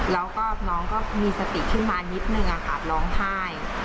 แล้วก็น้องก็มีสติขึ้นมานิดนึงค่ะร้องไห้